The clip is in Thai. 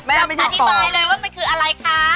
แม่ไม่ถึงขออธิบายเลยว่ามันคืออะไรคะ